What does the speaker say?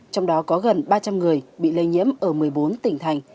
trong đó có gần ba trăm linh người bị lây nhiễm ở một mươi bốn tỉnh thành